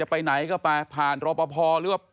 ไปไหนก็ไปผ่านรอปภหรือว่า